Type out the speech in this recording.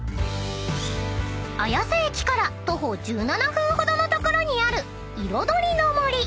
［綾瀬駅から徒歩１７分ほどの所にある］